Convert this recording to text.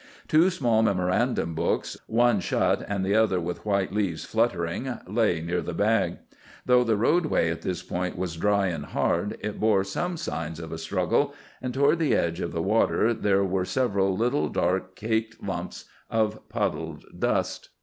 Two small memorandum books, one shut and the other with white leaves fluttering, lay near the bag. Though the roadway at this point was dry and hard, it bore some signs of a struggle, and toward the edge of the water there were several little, dark, caked lumps of puddled dust.